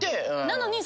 なのに。